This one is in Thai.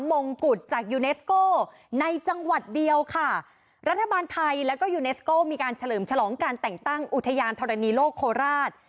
มงกุฎจากยูเนสโก้ในจังหวัดเดียวค่ะรัฐบาลไทยแล้วก็ยูเนสโก้มีการเฉลิมฉลองการแต่งตั้งอุทยานธรณีโลกโคราช